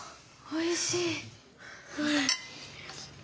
おいしい。